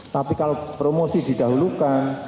tapi kalau promosi didahulukan